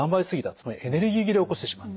つまりエネルギー切れを起こしてしまった。